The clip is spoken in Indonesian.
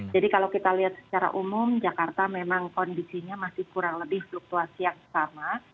jadi kalau kita lihat secara umum jakarta memang kondisinya masih kurang lebih situasi yang sama